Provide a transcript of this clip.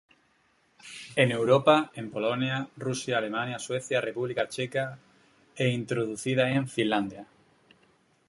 En Europa en Polonia, Rusia, Alemania, Suecia, República Checa e introducida en Finlandia.